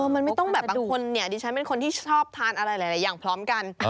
มันไม่ต้องแบบบางคนเนี่ยดิฉันเป็นคนที่ชอบทานอะไรหลายอย่างพร้อมกัน